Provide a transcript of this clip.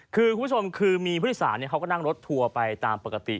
คือคุณผู้ชมคือมีผู้โดยสารเขาก็นั่งรถทัวร์ไปตามปกติ